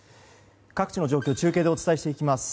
各地の状況を中継でお伝えしていきます。